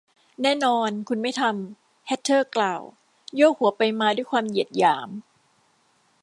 แน่นอน คุณไม่ทำ แฮทเทอร์ กล่าว โยกหัวไปมาด้วยความเหยียดหยาม